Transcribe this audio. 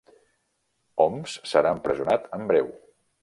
Homs serà empresonat en breu